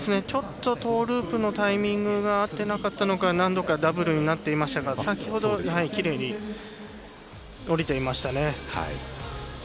ちょっとトウループのタイミングが合っていなかったのか何度かダブルになっていましたが先ほどきれいに降りていましたね。